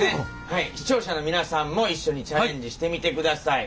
視聴者の皆さんも一緒にチャレンジしてみてください。